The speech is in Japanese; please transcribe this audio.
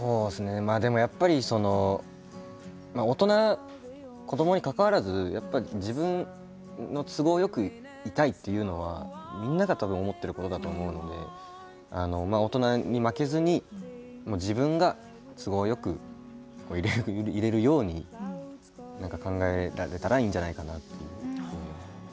でも、やっぱり大人子どもに関わらず自分の都合よくいたいっていうのはみんなが、たぶん思ってることだと思うので大人に負けずに、自分が都合よくいれるように考えられたらいいんじゃないかなって。